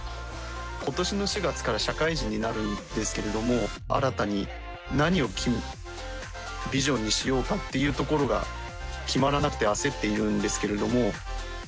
今年の４月から社会人になるんですけれども新たに何をビジョンにしようかっていうところが決まらなくて焦っているんですけれども。